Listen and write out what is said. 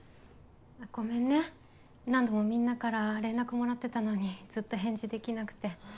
ごめんね何度もみんなから連絡もらってたのにずっと返事できなくて。